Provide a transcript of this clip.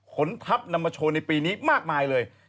ผลทัพนำมาโชว์ในปีนี้มากมายเลย